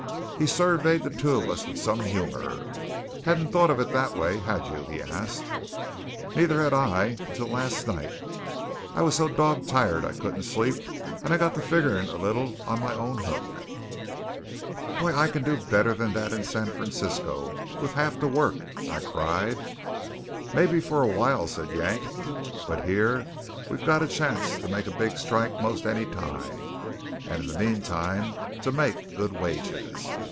He surveyed the two of us with some humour. "Hadn't thought of it that way, had you?" he asked. "Nuther had I until last night. I was so dog tired I couldn't sleep, and I got to figgerin' a little on my own hook." "Why, I can do better than that in San Francisco with half the work!" I cried. "Maybe for a while," said Yank, "but here we got a chance to make a big strike most any time; and in the meantime to make good wages.